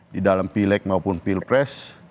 di dalam pileg maupun pilpres